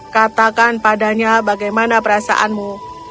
katakan padanya bagaimana perasaanmu